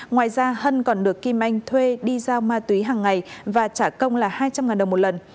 ngoài ra hân còn được kim anh thuê đi giao ma túy hàng ngày và trả công là hai trăm linh đồng một lần